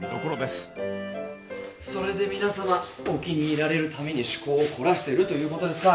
それで皆様お気に入られるために趣向を凝らしてるということですか。